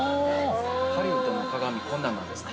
◆ハリウッドの鏡、こんなんなんですか。